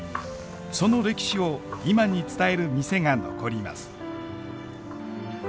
その歴史を今に伝える店が残ります。